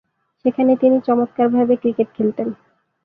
সেখানে তিনি চমৎকারভাবে ক্রিকেট খেলতেন।